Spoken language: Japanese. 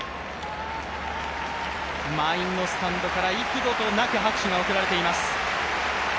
満員のスタンドから幾度となく拍手が送られています。